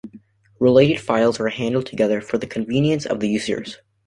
Related files are handled together for the convenience of users.